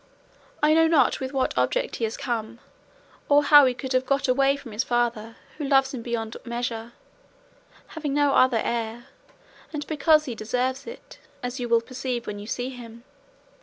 I know not with what object he has come; or how he could have got away from his father, who loves him beyond measure, having no other heir, and because he deserves it, as you will perceive when you see him.